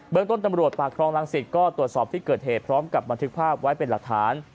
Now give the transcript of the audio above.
เมืองต้นตำรวจปากครองรังสิตก็ตรวจสอบที่เกิดเหตุพร้อมกับบันทึกภาพไว้เป็นหลักฐาน